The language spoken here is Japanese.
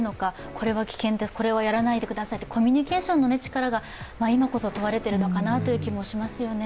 これは危険です、これはやらないでくださいという、コミュニケーションの力が今こそ問われているのかなという気もしますよね。